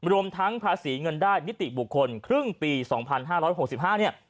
รวมทั้งภาษีเงินได้นิติบุคคลครึ่งปี๒๕๖๕เนี่ย